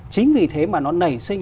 chính vì thế mà nó nảy sinh